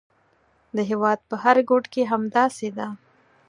د هېواد په هر ګوټ کې همداسې ده.